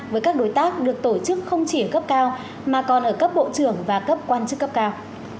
với các đối tác được tổ chức không chỉ ở cấp cao mà còn ở cấp bộ trưởng và cấp quan chức cấp cao